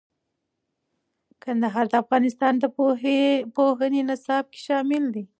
کندهار د افغانستان د پوهنې نصاب کې شامل دی.